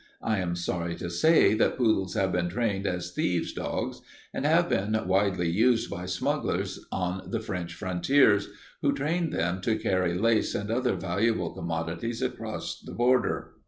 I am sorry to say that poodles have been trained as thieves' dogs, and have been widely used by smugglers on the French frontiers, who trained them to carry lace and other valuable commodities across the border.